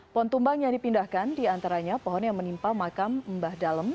pohon tumbang yang dipindahkan diantaranya pohon yang menimpa makam mbah dalem